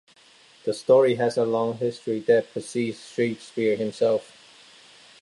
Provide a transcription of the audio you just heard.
The story has a long history that precedes Shakespeare himself.